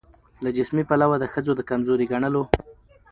له جسمي پلوه د ښځو د کمزوري ګڼلو